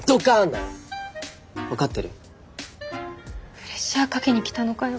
プレッシャーかけに来たのかよ。